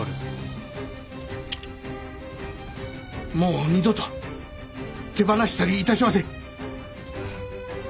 もう二度と手放したり致しません！